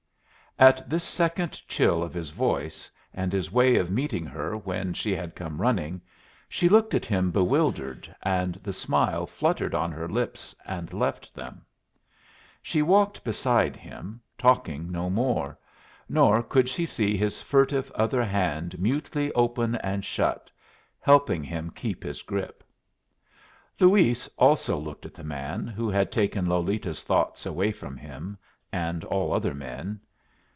At this second chill of his voice, and his way of meeting her when she had come running, she looked at him bewildered, and the smile fluttered on her lips and left them. She walked beside him, talking no more; nor could she see his furtive other hand mutely open and shut, helping him keep his grip. Luis also looked at the man who had taken Lolita's thoughts away from him and all other men.